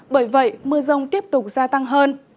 bởi vậy mưa rông tiếp tục gia tăng hơn